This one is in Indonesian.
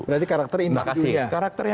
berarti karakter indah juga